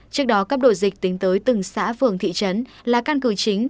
trước đó cấp đổi dịch tính tới từng xã phường thị trấn là căn cứ chính